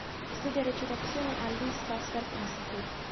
Studia recitazione al Lee Strasberg Institute.